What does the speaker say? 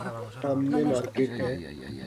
سامنے مارکیٹ ہے۔